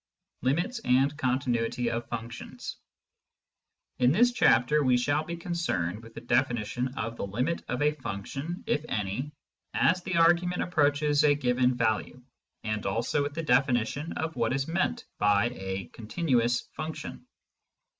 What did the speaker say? CHAPTER XI LIMITS AND CONTINUITY OF FUNCTIONS In this chapter we shall be concerned with the definition of the limit of a function (if any) as the argument approaches a given value, and also with the definition of what is meant by a " con tinuous function."